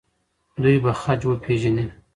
دوی به خج وپیژني.